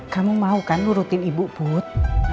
kamu mau kan nurutin ibu put